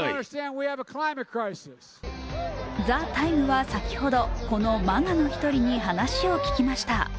「ＴＨＥＴＩＭＥ，」は先ほど、このＭＡＧＡの１人に話を聞きました。